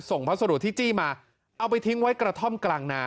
พัสดุที่จี้มาเอาไปทิ้งไว้กระท่อมกลางนา